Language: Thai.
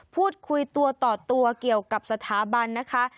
พูดคุยตัวต่อตัวเกี่ยวกับสถาบันนะคะ